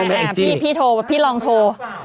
แอ๊พี่ลองโทร